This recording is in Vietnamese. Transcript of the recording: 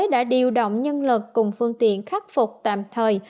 đã điều động nhân lực cùng phương tiện khắc phục tạm thời